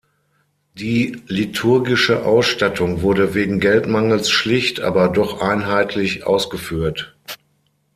Die liturgische Ausstattung wurde wegen Geldmangels schlicht, aber doch einheitlich ausgeführt.